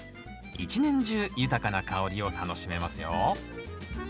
一年中豊かな香りを楽しめますよ